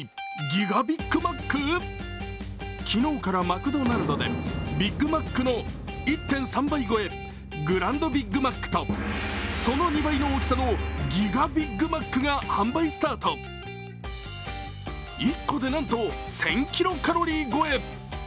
昨日からマクドナルドでビックマックの１．３倍超えグランドビッグマックとその２倍の大きさのギガビッグマックが販売スタート１個でなんと１０００ｋｃａｌ超え。